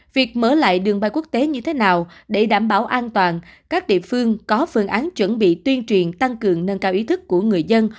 việc mở lại đường bay quốc tế như thế nào để đảm bảo an toàn các địa phương có phương án chuẩn bị tuyên truyền tăng cường nâng cao ý thức của người dân